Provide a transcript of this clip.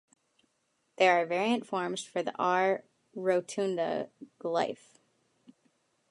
There are variant forms for the "r rotunda" glyph.